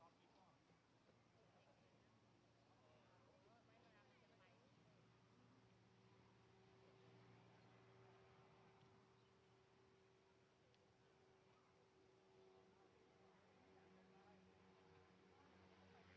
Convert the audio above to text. สวัสดีครับ